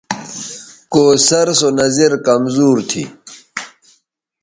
کوثر سو نظِر کمزور تھی